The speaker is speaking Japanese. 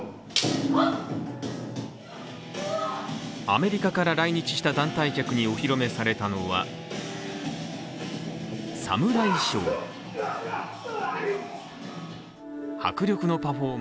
アメリカから来日した団体客にお披露目されたのは、ＳＡＭＵＲＡＩショー。